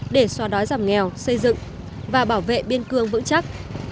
để xóa đói giảm nghèo xây dựng và bảo vệ biên cương vững chắc